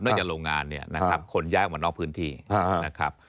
จากโรงงานเนี่ยนะครับคนแยกออกมานอกพื้นที่นะครับ